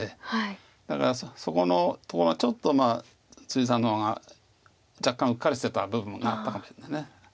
だからそこのとこがちょっとさんの方が若干うっかりしてた部分があったかもしれない。